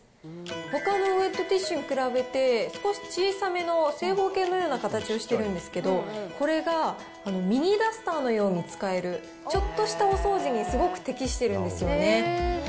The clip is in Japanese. ほかのウエットティッシュに比べて、少し小さめの正方形のような形をしてるんですけど、これがミニダスターのように使える、ちょっとしたお掃除にすごく適してるんですよね。